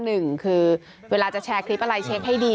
หนึ่งคือเวลาจะแชร์คลิปอะไรเช็คให้ดี